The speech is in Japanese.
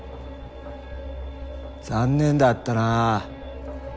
残念だったな。